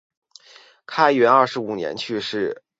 开元二十五年去世。